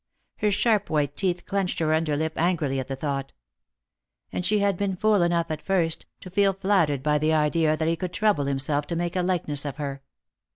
Her sharp white teeth clenched her under lip angrily at the thought. And she bad been fool enough, at first, to feel flattered by the idea that he could trouble himself to make a likeness of her.